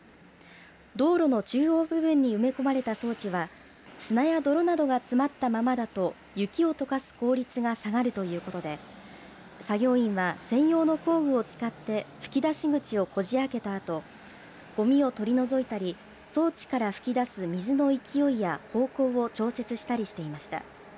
道路の中央部分に埋め込まれた装置は砂や泥などが詰まったままだと雪をとかす効率が下がるということで作業員は、専用の工具を使って吹き出し口を、こじ開けたあとごみを取り除いたり装置から噴き出す水の勢いや方向を調節したりしていました。